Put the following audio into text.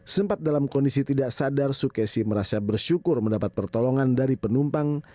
sempat dalam kondisi tidak sadar sukesi merasa bersyukur mendapat pertolongan dari penumpang